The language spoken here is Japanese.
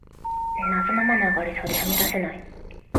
謎のマナーがありそうで踏み出せない